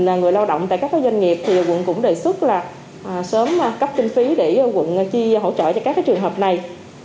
hình người lao động tại các doanh nghiệp quận cũng đề xuất sớm cấp kinh phí để quận chi hỗ trợ cho các trường hợp này